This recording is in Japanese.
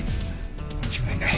間違いない。